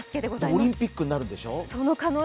オリンピックになるんでしょう？